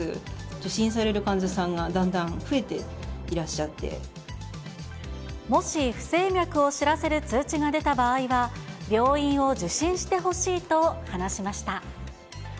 受診される患者さんがだんだん増もし不整脈を知らせる通知が出た場合は、病院を受診してほしいと話しました。